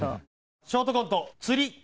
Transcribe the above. ショートコント「釣り」。